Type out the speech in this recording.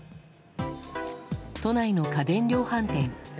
都内の家電量販店。